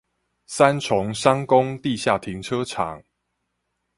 三重商工地下停車場